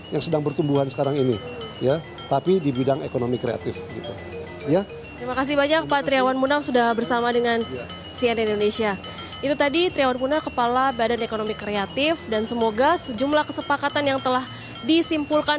yang sedang bertumbuhan sekarang ini ya tapi di bidang ekonomi kreatif ya terima kasih banyak pak triawan munaf sudah bersama dengan cn indonesia itu tadi triawan munaf kepala badan ekonomi kreatif dan semoga sejumlah kesepakatan yang telah disimpulkan